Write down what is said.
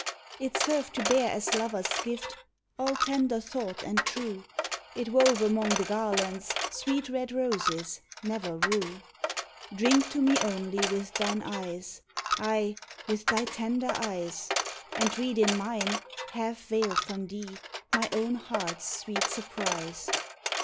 It served to bear as lover's gift all tender thought and true, It wove among the garlands sweet red roses, never rue! "Drink to me only with thine eyes," ay with thy tender eyes And read in mine, half veiled from thee, my own heart's sweet surprise!